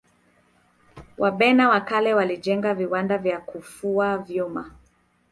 wabena wa kale walijenga viwanda vya kufua vyuma